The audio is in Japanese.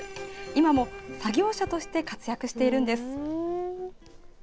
今も作業車として活躍しているんです。